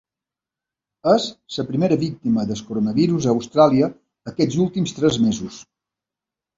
És la primera víctima del coronavirus a Austràlia aquests últims tres mesos.